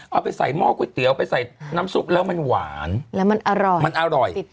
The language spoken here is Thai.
เอาไปใส่หม้อก๋วยเตี๋ยวไปใส่น้ำซุปแล้วมันหวานแล้วมันอร่อยมันอร่อย